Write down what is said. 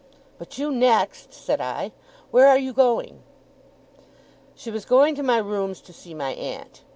'But you next!' said I. 'Where are you going?' She was going to my rooms to see my aunt.